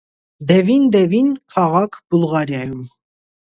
Դևին Դևին, քաղաք Բուլղարիայում։